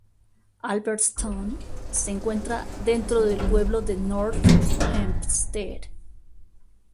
Albertson se encuentra dentro del pueblo de North Hempstead.